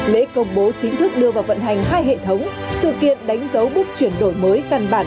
lễ công bố chính thức đưa vào vận hành hai hệ thống sự kiện đánh dấu bước chuyển đổi mới căn bản